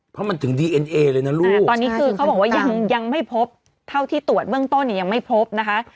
เพราะมันถึงดีเอ็นเอเลยนะลูกตอนนี้คือเขาบอกว่ายังยังไม่พบเท่าที่ตรวจเบื้องต้นเนี่ยยังไม่พบนะคะ